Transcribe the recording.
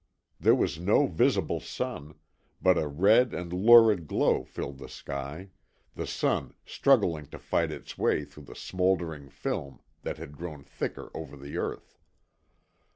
There was no visible sun, but a red and lurid glow filled the sky the sun struggling to fight its way through the smothering film that had grown thicker over the earth.